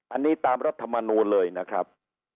อันนี้ตามรัฐมนูลเลยนะครับ